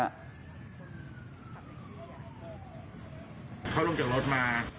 เขาลงจากรถมา